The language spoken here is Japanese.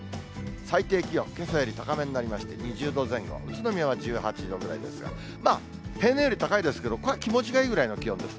最低気温、けさより高めになりまして、２０度前後、宇都宮は１８度ぐらいですが、平年より高いですけれども、これは気持ちがいいくらいの気温です。